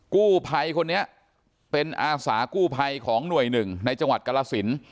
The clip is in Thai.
กู้ภัยคนนี้เป็นอาสากู้ภัยของหน่วยหนึ่งในจังหวัดกรสิน